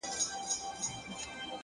علم د انسان د ذهن ځواک دی!.